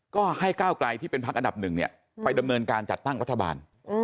ก็ให้ก้าวไกลที่เป็นพักอันดับหนึ่งไปดำเนินการจัดตั้งรัฐบาล